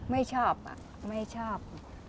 ไม่ชอบไม่ชอบ